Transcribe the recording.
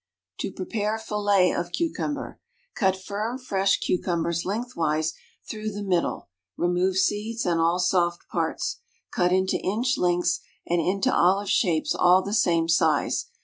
To Prepare Fillets of Cucumber. Cut firm fresh cucumbers lengthwise through the middle, remove seeds and all soft parts, cut into inch lengths and into olive shapes all the same size.